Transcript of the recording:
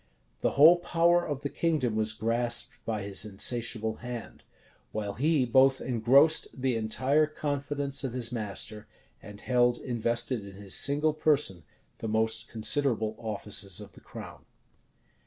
The whole power of the kingdom was grasped by his insatiable hand; while he both engrossed the entire confidence of his master, and held invested in his single person the most considerable offices of the crown.